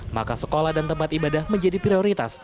maka sekolah dan tempat ibadah menjadi prioritas